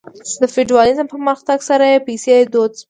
د فیوډالیزم په پرمختګ سره پیسې دود شوې.